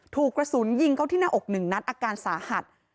ถูกกระสุนยิงเข้าที่หน้าอกหนึ่งนัดอาการสาหัส